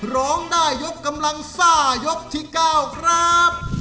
ร้องได้ยกกำลังซ่ายกที่๙ครับ